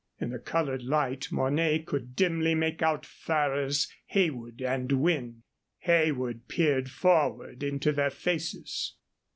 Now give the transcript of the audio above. In the colored light Mornay could dimly make out Ferrers, Heywood, and Wynne. Heywood peered forward into their faces.